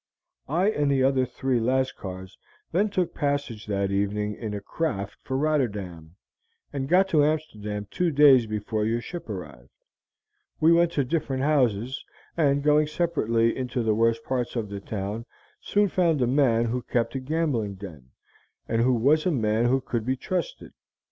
"I and the other three Lascars then took passage that evening in a craft for Rotterdam, and got to Amsterdam two days before your ship arrived; we went to different houses, and going separately into the worst parts of the town, soon found a man who kept a gambling den, and who was a man who could be trusted.